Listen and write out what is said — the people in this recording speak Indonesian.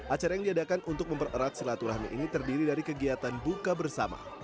acara yang diadakan untuk mempererat silaturahmi ini terdiri dari kegiatan buka bersama